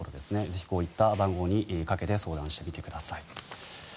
ぜひ、こういった番号にかけて相談してみてください。